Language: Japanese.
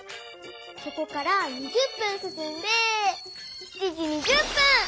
そこから２０分すすんで７時２０分！